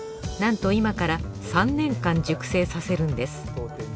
なんと今から３年間熟成させるんです。